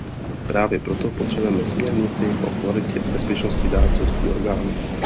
Právě proto potřebujeme směrnici o kvalitě a bezpečnosti dárcovství orgánů.